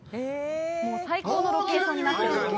もう最高のロケーションになっています。